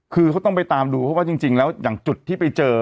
คือเขาต้องไปตามดูเพราะว่าจริงแล้วอย่างจุดที่ไปเจอ